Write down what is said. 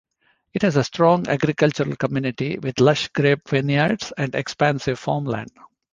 It has a strong agricultural community, with lush grape vineyards and expansive farmland.